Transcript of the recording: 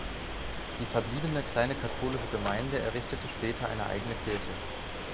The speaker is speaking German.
Die verbliebene kleine katholische Gemeinde errichtete später eine eigene Kirche.